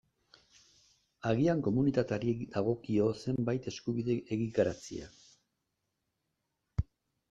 Agian komunitateari dagokio zenbait eskubide egikaritzea.